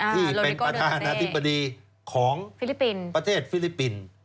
ที่เป็นประธานาธิบดีของประเทศฟิลิปิน